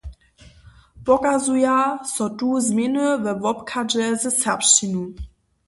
Pokazuja so tu změny we wobchadźe ze serbšćinu?